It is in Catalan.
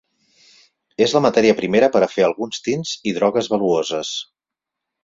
És la matèria primera per a fer alguns tints i drogues valuoses.